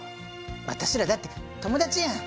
私らだって友達やん！